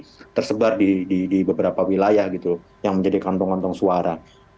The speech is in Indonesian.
jadi tersebar di beberapa wilayah yang menjadi kantong kantong suara